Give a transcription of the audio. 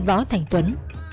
võ thành tuấn